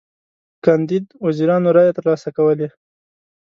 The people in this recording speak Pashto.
کاندید وزیرانو رایی تر لاسه کولې.